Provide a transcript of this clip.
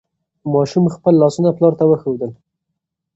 ماشوم خپل لاسونه پلار ته وښودل.